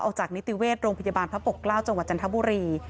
ออกจากนิติเวชโรงพยาบาลพระปกเกล้าจังหวัดจันทบุรี